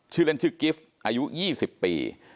ชื่อเล่นชื่อกิฟต์อายุ๒๐ปี